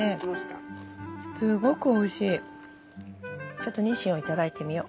ちょっとニシンをいただいてみよう。